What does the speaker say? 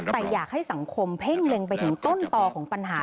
แต่อยากให้สังคมเพ่งเล็งไปถึงต้นต่อของปัญหา